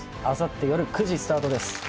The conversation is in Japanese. あさって夜９時スタートです